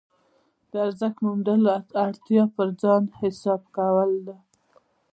د ارزښت موندلو اړتیا پر ځان حساب کول ده.